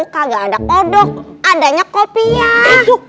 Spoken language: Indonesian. kagak ada kodok